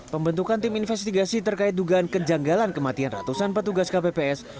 pembentukan tim investigasi terkait dugaan kejanggalan kematian ratusan petugas kpps